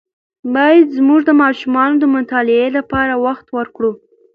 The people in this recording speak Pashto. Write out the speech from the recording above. باید زموږ د ماشومانو د مطالعې لپاره وخت ورکړو.